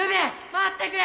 待ってくれ！